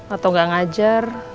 atau nggak ngajar